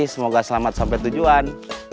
semoga selamat sampai tujuan